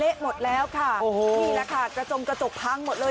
หมดแล้วค่ะนี่แหละค่ะกระจงกระจกพังหมดเลย